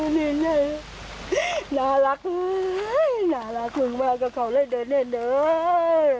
น่ารักมากกับเขาเลยเดินใหญ่ด้วย